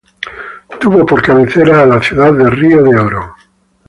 Tuvo por cabecera a la ciudad de Río de Oro.